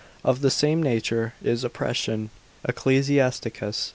Of the same nature is oppression, Ecclus.